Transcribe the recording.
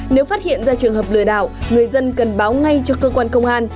nếu phát hiện ra trường hợp lừa đảo người dân cần báo ngay cho cơ quan công an